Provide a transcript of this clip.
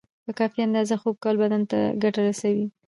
په کافی اندازه خوب کول بدن ته ګټه رسوی